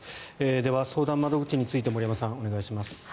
では、相談窓口について森山さん、お願いします。